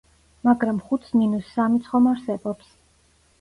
მაგრამ ხუთს მინუს სამიც ხომ არსებობს?